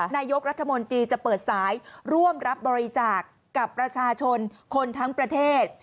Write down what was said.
นายกรัฐมนตรีจะเปิดสายร่วมรับบริจาคกับประชาชนคนทั้งประเทศ